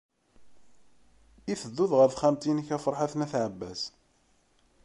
I tedduḍ ɣer texxamt-nnek a Ferḥat n At Ɛebbas?